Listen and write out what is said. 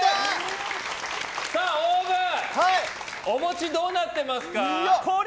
ＯＷＶお餅どうなってますか？